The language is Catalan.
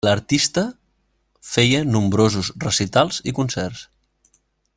L'artista feia nombrosos recitals i concerts.